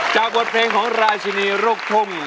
จากบทเพลงของราชินีรุกท่ม